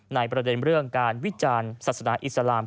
ในประเด็นเรื่องการวิจารณ์ศาสนาอิสลาม